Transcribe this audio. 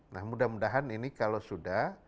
nah mudah mudahan ini kalau sudah